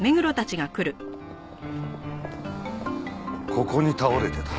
ここに倒れてた。